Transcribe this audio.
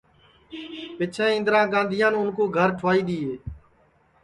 پِچھیں اِندرا گاندھیان اُن کُو گھر ٹُھوائی دؔیئے